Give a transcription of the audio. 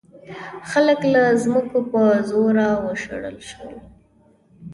خلک له ځمکو په زوره وشړل شول.